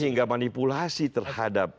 hingga manipulasi terhadap